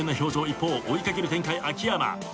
一方追い掛ける展開秋山。